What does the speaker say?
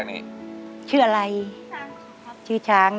ร้องได้ให้ร้าง